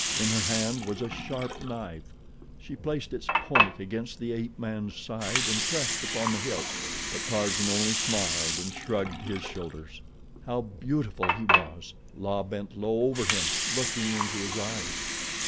In her hand was a sharp knife. She placed its point against the ape man's side and pressed upon the hilt; but Tarzan only smiled and shrugged his shoulders. How beautiful he was! La bent low over him, looking into his eyes.